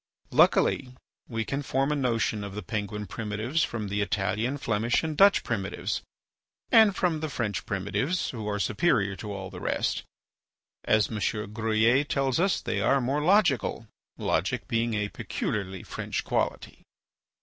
Luckily we can form a notion of the Penguin primitives from the Italian, Flemish, and Dutch primitives, and from the French primitives, who are superior to all the rest; as M. Gruyer tells us they are more logical, logic being a peculiarly French quality.